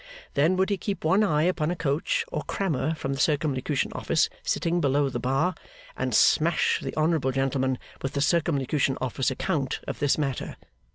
Then would he keep one eye upon a coach or crammer from the Circumlocution Office sitting below the bar, and smash the honourable gentleman with the Circumlocution Office account of this matter.